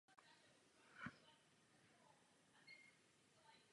Patymu.